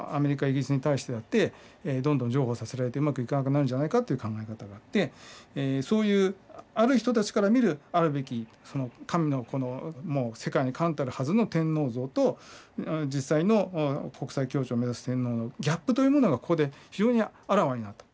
イギリスに対してだってどんどん譲歩させられてうまくいかなくなるんじゃないかという考え方があってそういうある人たちから見るあるべきその神の子のもう世界に冠たるはずの天皇像と実際の国際協調を目指す天皇のギャップというものがここで非常にあらわになった。